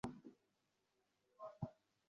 এখন কত বড় হয়ে গেছ!